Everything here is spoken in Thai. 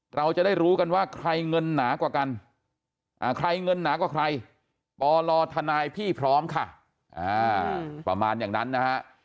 เราจะได้รู้กันว่าใครเงินหนากว่ากันใครเงินหนากว่าใครปลทนายพี่พร้อมค่ะประมาณอย่างนั้นนะฮะ